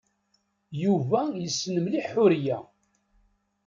Yuba yessen mliḥ Ḥuriya.